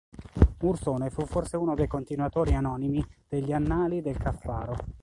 Ursone fu forse uno dei continuatori anonimi degli Annali del Caffaro.